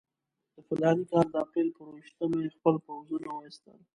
د فلاني کال د اپرېل پر یوویشتمه یې خپل پوځونه وایستل.